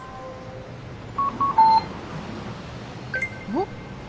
おっ？